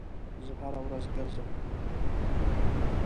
زه هر ورځ ګرځم